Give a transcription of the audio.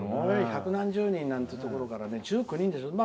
百何十人ってとこから１９人でしょ。